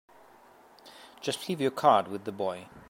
Just leave your card with the boy.